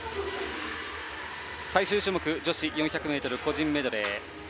最終種目女子４００ｍ個人メドレー。